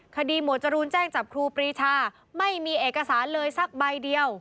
หมวดจรูนแจ้งจับครูปรีชาไม่มีเอกสารเลยสักใบเดียว